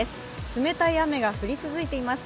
冷たい雨が降り続いています。